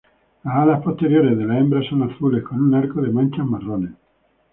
Las alas posteriores de la hembra son azules con un arco de manchas marrones.